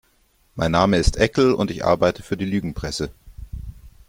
Mein Name ist Eckel und ich arbeite für die Lügenpresse.